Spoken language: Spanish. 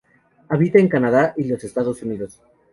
Habita en Canadá y los Estados Unidos.